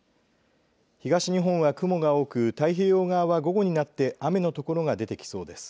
東日本は雲が多く太平洋側は午後になって雨の所が出てきそうです。